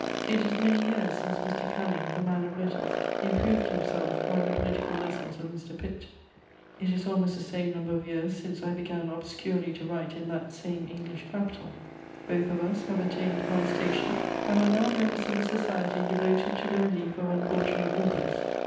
] It is many years since Mr. Canning, the man of letters, improved himself by the political lessons of Mr. Pitt; it is almost the same number of years since I began obscurely to write in that same English capital. Both of us have attained high station and are now members of a society devoted to the relief of unfortunate authors.